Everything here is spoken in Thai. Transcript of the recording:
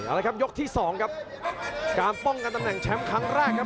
เอาละครับยกที่สองครับการป้องกันตำแหน่งแชมป์ครั้งแรกครับ